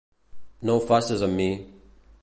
No ho faces amb mi...